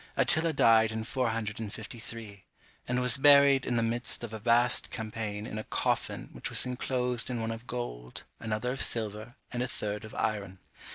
Attila died in 453, and was buried in the midst of a vast champaign in a coffin which was inclosed in one of gold, another of silver, and a third of iron.